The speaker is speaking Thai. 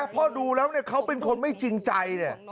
พอดูแล้วเขาเป็นคนไม่จริงใจเนี่ย